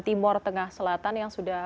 timur tengah selatan yang sudah